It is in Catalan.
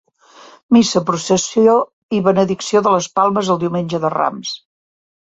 Missa, processó i benedicció de les palmes el Diumenge de Rams.